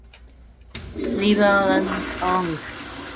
The Lehigh River runs along the southwest edge of Catasauqua.